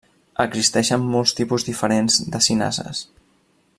Existeixen molts tipus diferents de cinases.